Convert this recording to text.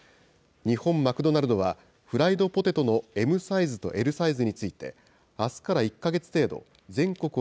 日本マクドナルドは、フライドポテトのＭサイズとＬサイズについて、あすから１か月程度、全国